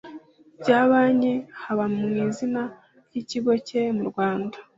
bya banki haba mu izina ry ikigo cye mu rwanda